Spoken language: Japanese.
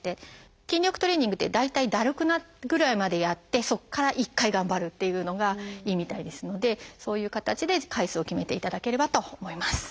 筋力トレーニングって大体だるくなるぐらいまでやってそこから１回頑張るっていうのがいいみたいですのでそういう形で回数を決めていただければと思います。